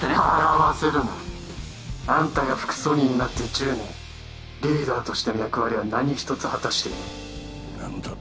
笑わせるなあんたが副総理になって１０年リーダーとしての役割は何一つ果たしていない何だと！？